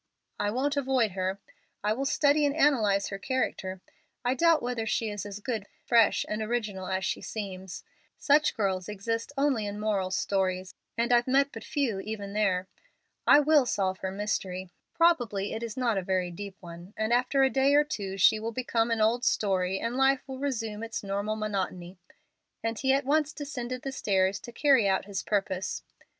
"I won't avoid her. I will study and analyze her character. I doubt whether she is as good, fresh, and original as she seems. Such girls exist only in moral stories, and I've met but few even there. I will solve her mystery. Probably it is not a very deep one, and after a day or two she will become an old story and life resume its normal monotony;" and he at once descended the stairs to carry out his purpose.